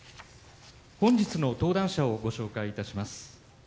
本日の登壇者をご紹介いたします。